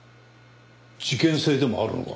事件性でもあるのか？